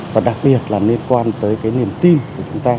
và đặc biệt là liên quan tới cái niềm tin của chúng ta